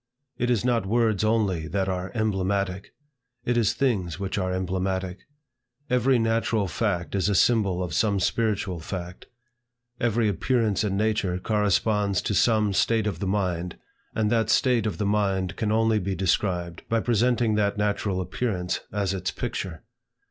It is not words only that are emblematic; it is things which are emblematic. Every natural fact is a symbol of some spiritual fact. Every appearance in nature corresponds to some state of the mind, and that state of the mind can only be described by presenting that natural appearance as its picture.